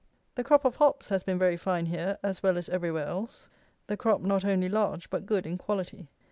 The crop of hops has been very fine here, as well as everywhere else. The crop not only large, but good in quality.